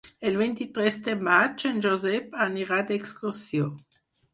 El vint-i-tres de maig en Josep anirà d'excursió.